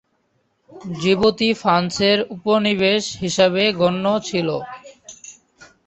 জিবুতি ফ্রান্সের উপনিবেশ হিসেবে গণ্য ছিল।